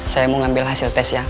saya mau ngambil hasil tes ya